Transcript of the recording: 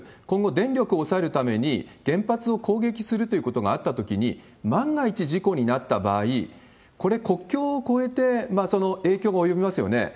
今後、電力を抑えるために原発を攻撃するということがあったときに、万が一事故になった場合、これ、国境を越えてその影響が及びますよね。